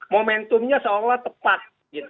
momentumnya seolah olah tepat